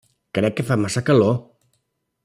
Crec que fa massa calor!